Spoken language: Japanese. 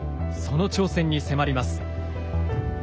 その挑戦に迫ります。